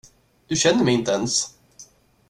Du känner mig inte ens.